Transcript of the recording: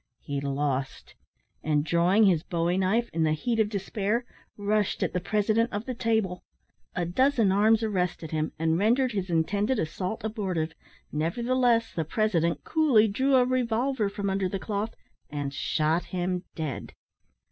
He lost; and, drawing his bowie knife, in the heat of despair, rushed at the president of the table. A dozen arms arrested him, and rendered his intended assault abortive; nevertheless, the president coolly drew a revolver from under the cloth, and shot him dead.